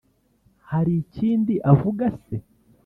'hari ikindi avuga se. '